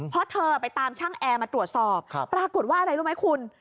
เพราะเธอไปตามช่างแอร์มาตรวจสอบปรากฏว่าอะไรรู้ไหมคุณ